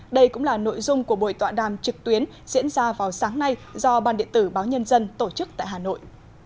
đây cũng là nội dung của buổi tọa đàm trực tuyến diễn ra vào sáng nay do ban điện tử báo nhân dân tổ chức tại hà nội